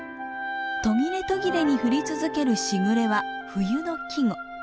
途切れ途切れに降り続ける「時雨」は冬の季語。